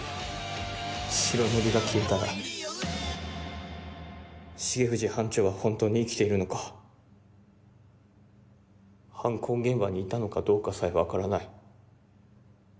白塗りが消えたら重藤班長は本当に生きているのか犯行現場にいたのかどうかさえ分からない。